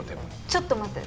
ちょっと待って。